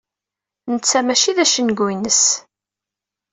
Netta mačči d acengu-ines.